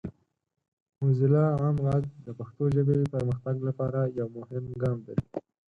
موزیلا عام غږ د پښتو ژبې پرمختګ لپاره یو مهم ګام دی.